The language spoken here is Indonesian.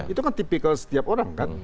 itu kan tipikal setiap orang kan